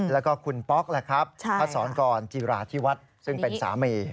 แล้วก็คุณป๊อกแหละครับพระศรกรจิราธิวัฒน์ซึ่งเป็นสามี